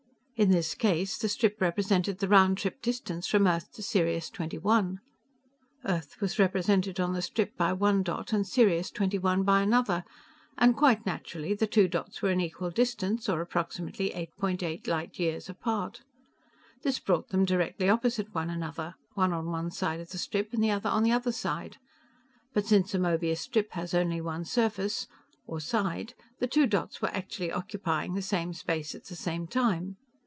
In this case, the strip represented the round trip distance from Earth to Sirius XXI. Earth was represented on the strip by one dot, and Sirius XXI by another, and, quite naturally, the two dots were an equal distance or approximately 8.8 light years apart. This brought them directly opposite one another one on one side of the strip, the other on the other side; but since a Möbius strip has only one surface or side the two dots were actually occupying the same space at the same time.